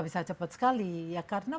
bisa cepat sekali ya karena